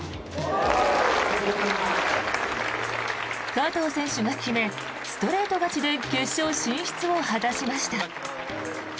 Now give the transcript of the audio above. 加藤選手が決めストレート勝ちで決勝進出を果たしました。